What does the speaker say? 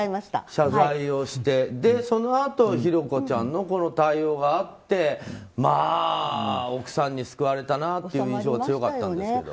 謝罪をして、そのあと寛子ちゃんのこの対応があってまあ、奥さんに救われたなという印象が強かったんですけど。